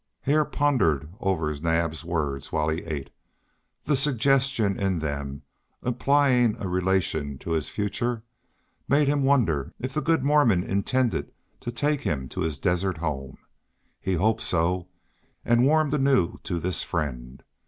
Hare pondered over Naab's words while he ate. The suggestion in them, implying a relation to his future, made him wonder if the good Mormon intended to take him to his desert home. He hoped so, and warmed anew to this friend.